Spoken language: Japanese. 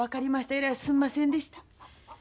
えらいすんませんでした。